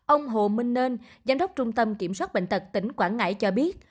ông hồ minh nên giám đốc trung tâm kiểm soát bệnh tật tỉnh quảng ngãi cho biết